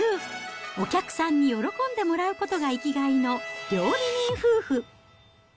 お客さんに喜んでもらうことが生きがいの料理人夫婦。